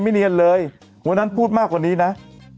เนียนเลยวันนั้นพูดมากกว่านี้นะ